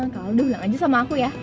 kaldo bilang aja sama aku ya